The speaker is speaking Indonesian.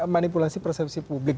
manipulasi persepsi publik